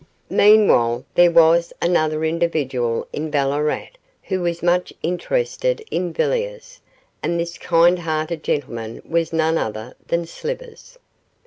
Meanwhile there was another individual in Ballarat who was much interested in Villiers, and this kind hearted gentleman was none other than Slivers.